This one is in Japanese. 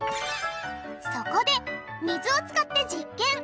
そこで水を使って実験！